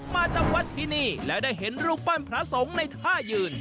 จำวัดที่นี่และได้เห็นรูปปั้นพระสงฆ์ในท่ายืน